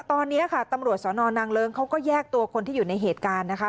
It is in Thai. ตอนนี้ค่ะตำรวจสนนางเลิ้งเขาก็แยกตัวคนที่อยู่ในเหตุการณ์นะคะ